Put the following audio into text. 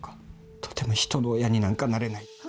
とても人の親になんかなれない。